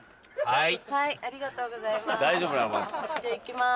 はい。